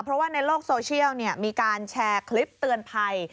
เพราะว่าในโลกโซเชียลมีการแชร์คลิปเตือนภัย